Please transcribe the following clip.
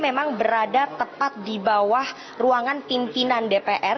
memang berada tepat di bawah ruangan pimpinan dpr